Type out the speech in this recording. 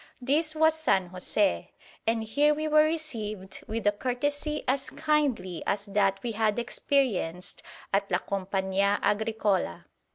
This was San José, and here we were received with a courtesy as kindly as that we had experienced at La Compañía Agricola.